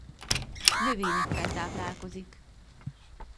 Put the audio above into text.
Növényekkel táplálkozik.